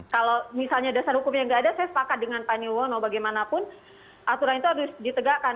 kalau misalnya dasar hukumnya nggak ada saya sepakat dengan pak nirwono bagaimanapun aturan itu harus ditegakkan